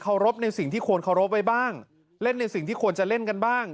รบในสิ่งที่ควรเคารพไว้บ้างเล่นในสิ่งที่ควรจะเล่นกันบ้าง